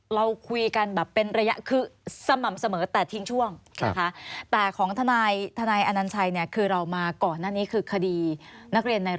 เราคุยกันแบบเป็นระยะคือสม่ำเสมอแต่ทิ้งช่วงนะคะ